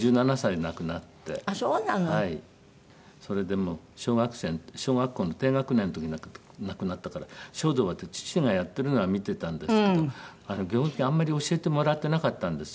はいそれでもう小学生小学校の低学年の時に亡くなったから書道は父がやってるのは見てたんですけどあんまり教えてもらってなかったんですよ。